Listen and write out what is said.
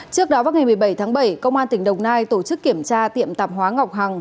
trước đó vào ngày một mươi bảy tháng bảy công an tỉnh đồng nai tổ chức kiểm tra tiệm tạp hóa ngọc hằng